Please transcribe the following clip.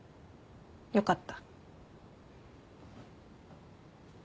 よかった。